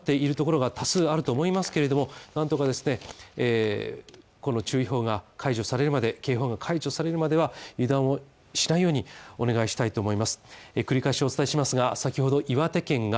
寒い夜となっているところが多数あると思いますけれども、何とかですね、この注意報が解除されるまで、警報が解除されるまでは油断をしないようにお願いしたいと思います。